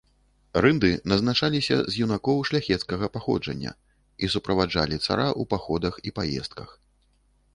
Рынды назначаліся з юнакоў шляхецкага паходжання і суправаджалі цара ў паходах і паездках.